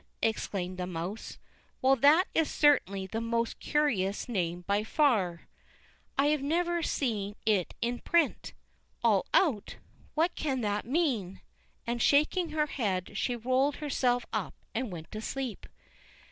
_" exclaimed the mouse; "well, that is certainly the most curious name by far. I have never yet seen it in print. All out! What can that mean?" and, shaking her head, she rolled herself up and went to sleep.